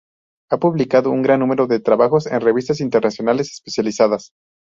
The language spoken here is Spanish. Ha publicado un gran número de trabajos en revistas internacionales especializadas.